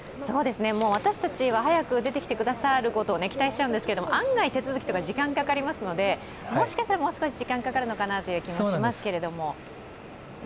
私たちは早く出てきてくださることを期待しちゃうんですけど案外手続きとか時間がかかるのでもう少し時間がかかるのかなと思いますけれども。